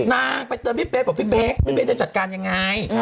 น้ามันไปเจอพี่เป๊กแล้วพี่เป๊กจะจัดการยังไง